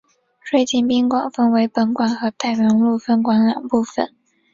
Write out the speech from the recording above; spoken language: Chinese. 瑞金宾馆分为本馆和太原路分馆两部份。